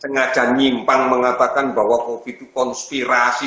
sengaja nyimpang mengatakan bahwa covid sembilan belas itu konspirasi